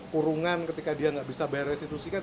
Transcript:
kurungan ketika dia nggak bisa bayar restitusi kan